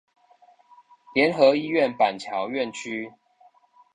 聯合醫院板橋院區